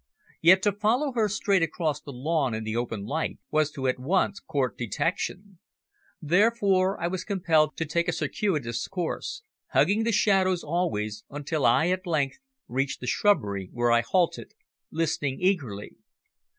Yet to follow her straight across the lawn in the open light was to at once court detection. Therefore I was compelled to take a circuitous course, hugging the shadows always, until I at length reached the shrubbery, where I halted, listening eagerly.